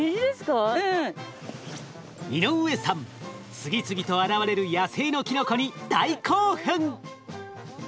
次々と現れる野生のキノコに大興奮！